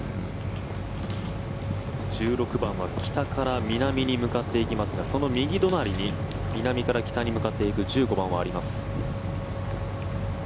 １６番は北から南に向かっていきますがその右隣に南から北に向かっていく１５番はあります。